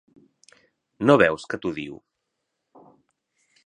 No veus que t'odio?